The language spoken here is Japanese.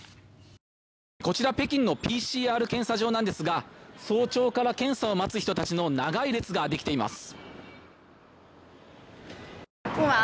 こちら北京のＰＣＲ検査場なんですが早朝から検査を待つ人たちの長い列ができています。